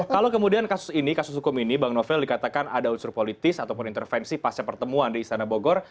kalau kemudian kasus ini kasus hukum ini bang novel dikatakan ada unsur politis ataupun intervensi pasca pertemuan di istana bogor